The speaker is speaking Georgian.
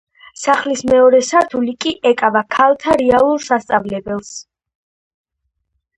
სახლის მეორე სართული კი ეკავა ქალთა რეალურ სასწავლებელს.